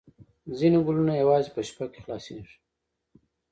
ځینې ګلونه یوازې په شپه کې خلاصیږي